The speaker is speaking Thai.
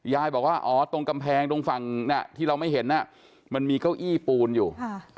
บอกว่าอ๋อตรงกำแพงตรงฝั่งที่เราไม่เห็นมันมีเก้าอี้ปูนอยู่